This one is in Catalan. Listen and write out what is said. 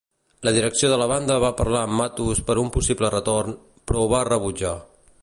La direcció de la banda va parlar amb Matos per a un possible retorn, però ho va rebutjar.